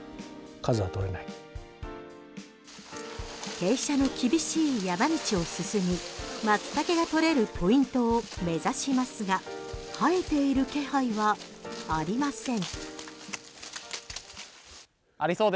傾斜の厳しい山道を進みマツタケが採れるポイントを目指しますが生えている気配はありません。